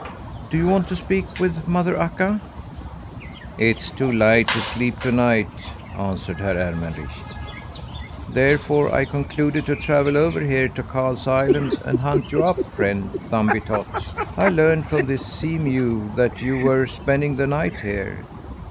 Do you want to speak with mother Akka?" "It's too light to sleep to night," answered Herr Ermenrich. "Therefore I concluded to travel over here to Karl's Island and hunt you up, friend Thumbietot. I learned from the seamew that you were spending the night here.